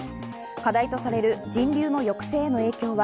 課題とされる人流の抑制への影響は。